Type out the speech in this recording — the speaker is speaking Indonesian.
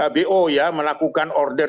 bo ya melakukan order